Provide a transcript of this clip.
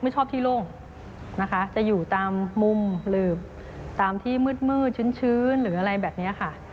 จะอยู่ตามมุมหรือตามที่มืดชื้นหรืออะไรแบบนี้ค่ะ